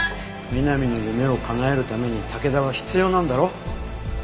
美波の夢を叶えるために武田は必要なんだろ？